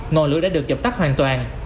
ngọn lửa đã được chập tắt hoàn toàn